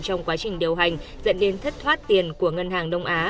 trong quá trình điều hành dẫn đến thất thoát tiền của ngân hàng đông á